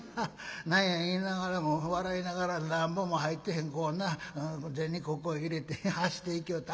何や言いながらも笑いながらなんぼも入ってへんこうな銭ここ入れて走っていきよった。